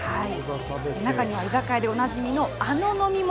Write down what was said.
中には居酒屋でおなじみのあの飲み物。